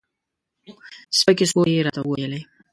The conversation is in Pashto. سپکې سپورې یې راته وویلې.